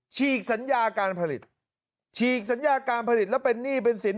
ฉีกสัญญาการผลิตฉีกสัญญาการผลิตแล้วเป็นหนี้เป็นสิน